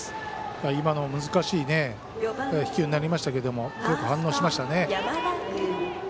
今の難しい飛球になりましたけどよく反応しましたよね。